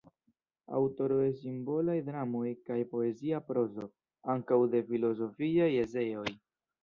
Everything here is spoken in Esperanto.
Aŭtoro de simbolaj dramoj kaj poezia prozo, ankaŭ de filozofiaj eseoj.